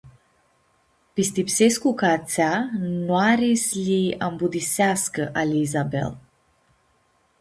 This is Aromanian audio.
Pistipsescu ca atsea noari s-lji ãmbudyiseascã ali Izabel.